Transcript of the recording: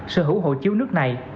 sở hữu hộ chiếu nước này